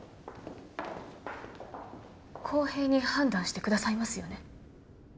公平に判断してくださいますよね？